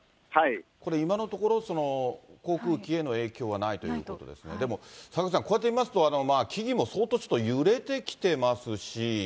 これ、今のところ、航空機への影響はないということで、でも、坂口さん、こうやって見ますと、木々も相当ちょっと揺れてきていますし。